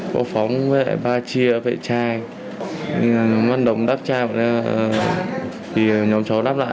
thường tham gia vào các hội nhóm đối tượng